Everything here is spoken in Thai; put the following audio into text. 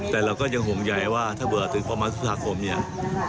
แต่เราก็ยังห่วงใยว่าถ้าเบื่อถึงประมาณพฤษภาคมเนี่ย